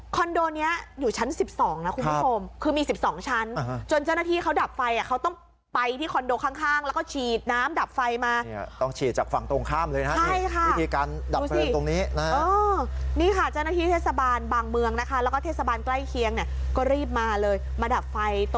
โดนี้อยู่ชั้น๑๒นะคุณผู้ชมคือมี๑๒ชั้นจนเจ้าหน้าที่เขาดับไฟอ่ะเขาต้องไปที่คอนโดข้างแล้วก็ฉีดน้ำดับไฟมาเนี่ยต้องฉีดจากฝั่งตรงข้ามเลยนะใช่ค่ะวิธีการดับเพลิงตรงนี้นะนี่ค่ะเจ้าหน้าที่เทศบาลบางเมืองนะคะแล้วก็เทศบาลใกล้เคียงเนี่ยก็รีบมาเลยมาดับไฟต